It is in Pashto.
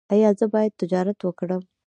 ایا زه باید تجارت وکړم؟